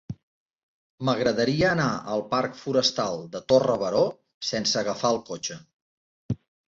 M'agradaria anar al parc Forestal de Torre Baró sense agafar el cotxe.